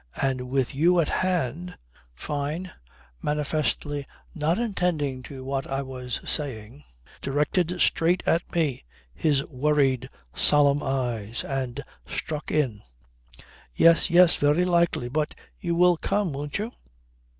And with you at hand " Fyne, manifestly not attending to what I was saying, directed straight at me his worried solemn eyes and struck in: "Yes, yes. Very likely. But you will come won't you?"